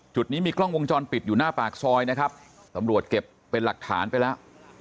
จุดนี้มีกล้องวงจรปิดอยู่หน้าปากซอยนะครับตำรวจเก็บเป็นหลักฐานไปแล้ว